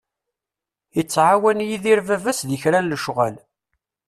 Ittɛawan Yidir baba-s di kra n lecɣal.